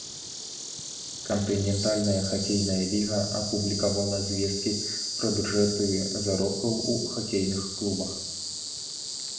Кантынентальная хакейная ліга апублікавала звесткі пра бюджэты заробкаў у хакейных клубах.